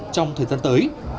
trong thời gian tới